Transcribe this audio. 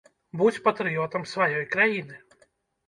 Будзь патрыётам сваёй краіны!